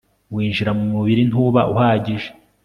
winjira mu mubiri ntuba uhagije